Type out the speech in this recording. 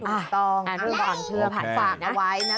ถูกต้องเรื่องความเชื่อผ่านฝากเอาไว้นะ